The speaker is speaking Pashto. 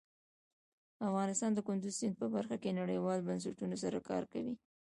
افغانستان د کندز سیند په برخه کې نړیوالو بنسټونو سره کار کوي.